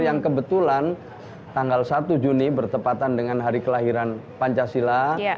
yang kebetulan tanggal satu juni bertepatan dengan hari kelahiran pancasila